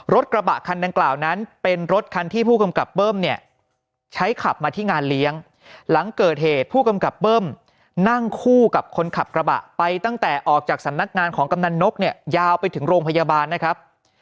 รถกระบะคันดังกล่าวนั้นเป็นรถคันที่ผู้กำกับเบิ้มเนี่ยใช้ขับมาที่งานเลี้ยงหลังเกิดเหตุผู้กำกับเบิ้มนั่งคู่กับคนขับกระบะไปตั้งแต่ออกจากสำนักงานของกำนันนกเนี่ยยาวไปถึงโรงพยาบาลนะครับ